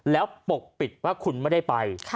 แล้วปกปิดว่าคุณไม่ได้ไป